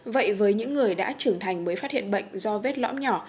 vậy với những người đã trưởng thành mới phát hiện bệnh do vết lõm nhỏ